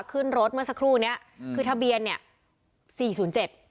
ขึ้นรถเมื่อสักครู่เนี้ยอืมคือทะเบียนเนี้ยสี่ศูนย์เจ็ด